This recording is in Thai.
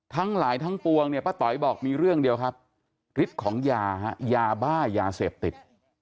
ทั้งหลายทั้งปวงเนี่ยป้าต๋อยบอกมีเรื่องเดียวครับฤทธิ์ของยาฮะยาบ้ายาเสพติด